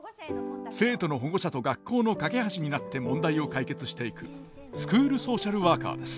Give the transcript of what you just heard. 生徒の保護者と学校の架け橋になって問題を解決していくスクールソーシャルワーカーです。